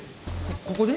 ここで！？